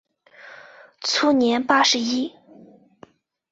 卒年八十一。